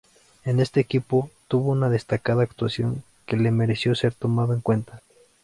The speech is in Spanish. En este equipo tuvo una destacada actuación que le mereció ser tomado en cuenta.